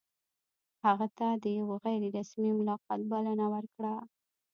هغه ته د یوه غیر رسمي ملاقات بلنه ورکړه.